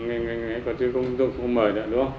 anh ấy còn chứ không mời nữa đúng không